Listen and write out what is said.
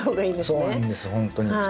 そうなんですほんとに。